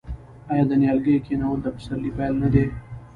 آیا د نیالګیو کینول د پسرلي پیل نه دی؟